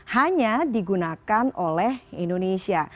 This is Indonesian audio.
hanya digunakan oleh indonesia